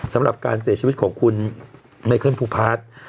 สำหรับการเสียชีวิตของคุณไมเคิลภูพาร์ท